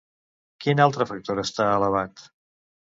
Quin altre factor està elevat?